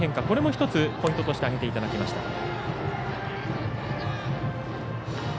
これも１つ、ポイントとして挙げていただきました。